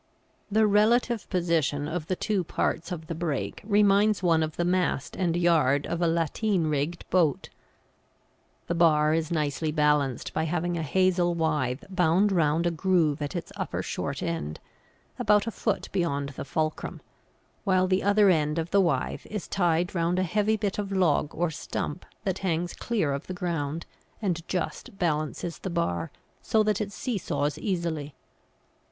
The relative position of the two parts of the brake reminds one of the mast and yard of a lateen rigged boat. The bar is nicely balanced by having a hazel withe bound round a groove at its upper short end, about a foot beyond the fulcrum, while the other end of the withe is tied round a heavy bit of log or stump that hangs clear of the ground and just balances the bar, so that it see saws easily.